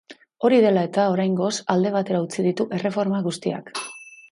Hori dela eta, oraingoz, alde batera utzi ditu erreforma guztiak.